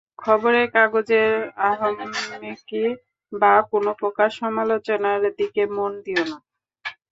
খবরের কাগজের আহাম্মকি বা কোন প্রকার সমালোচনার দিকে মন দিও না।